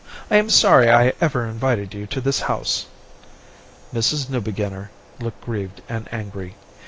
I am sorry I ever invited you to this house." Mrs. Newbeginner looked grieved and angry.